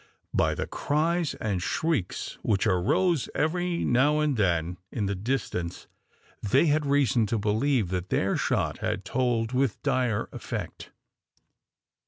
By the cries and shrieks which arose every now and then in the distance they had reason to believe that their shot had told with dire effect.